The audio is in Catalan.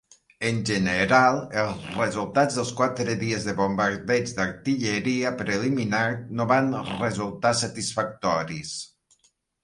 En general, els resultats dels quatre dies de bombardeig d'artilleria preliminar no van resultar satisfactoris.